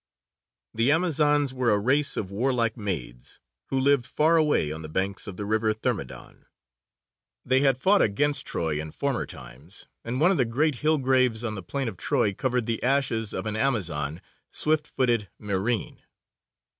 The Amazons were a race of warlike maids, who lived far away on the banks of the river Thermodon. They had fought against Troy in former times, and one of the great hill graves on the plain of Troy covered the ashes of an Amazon, swift footed Myrine.